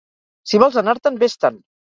Si vols anar-te'n, ves-te'n!